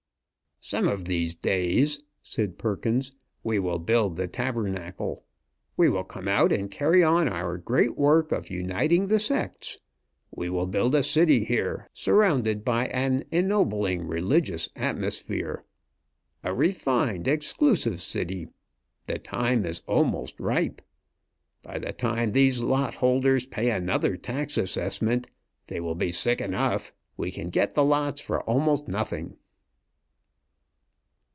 "Some of these days," said Perkins, "we will build the tabernacle. We will come out and carry on our great work of uniting the sects. We will build a city here, surrounded by an ennobling religious atmosphere a refined, exclusive city. The time is almost ripe. By the time these lot holders pay another tax assessment, they will be sick enough. We can get the lots for almost nothing."